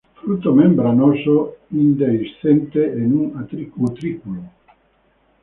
Fruto membranoso indehiscente en un utrículo.